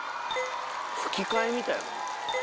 吹き替えみたいやもんな。